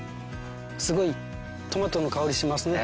すごいトマトの香りしますね。